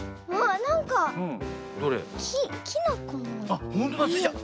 あっほんとだスイちゃん。